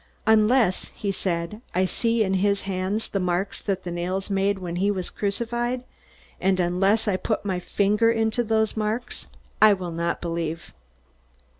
"Unless," he said, "I see in his hands the marks that the nails made when they crucified him, and unless I put my finger into those marks, I will not believe."